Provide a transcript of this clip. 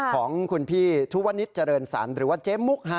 ของขุนพี่ทุวนนิจรณสรรหรือว่าเจมมุกฮะ